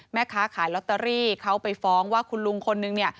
แม่ค้าขายลอตเตอรี่เขาไปฟ้องว่าคุณลุงคนนึงเนี่ย